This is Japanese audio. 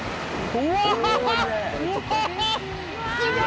うわ！